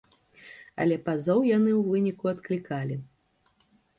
Але пазоў яны ў выніку адклікалі.